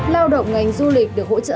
lao động ngành du lịch được hỗ trợ